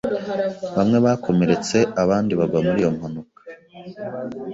Bamwe bakomeretse abandi bagwa muri iyo mpanuka.